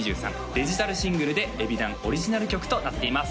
デジタルシングルでＥＢｉＤＡＮオリジナル曲となっています